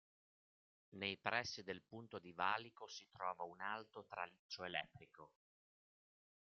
Nei pressi del punto di valico si trova un alto traliccio elettrico.